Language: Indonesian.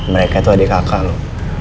mereka tuh adik kakak lo